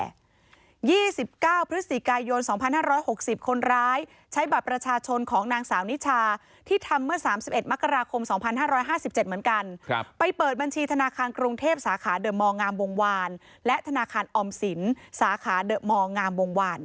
๒๙พฤศจิกายน๒๕๖๐คนร้ายใช้บัตรประชาชนของนางสาวนิชาที่ทำเมื่อ๓๑มกราคม๒๕๕๗เหมือนกันไปเปิดบัญชีธนาคารกรุงเทพสาขาเดอะมองามวงวานและธนาคารออมสินสาขาเดอะมองามวงวาน